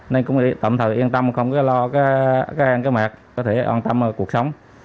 nên cũng tạm thời yên tâm không có lo các an cái mẹt có thể an tâm cuộc sống